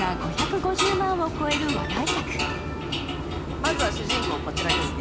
まずは主人公、こちらですね